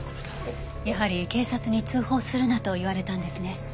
やはり警察に通報するなと言われたんですね。